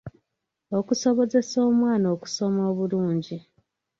Okusobozesa omwana okusoma obulungi.